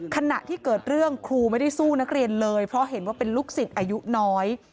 ขณะที่เกิดเรื่องครูไม่ได้สู้นักเรียนเลยเพราะเห็นว่าเป็นลูกศิษย์อายุน้อย